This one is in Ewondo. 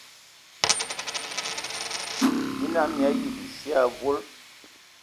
Mina hm mii ayi bisie avol.